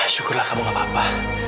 syukurlah kamu gak apa apa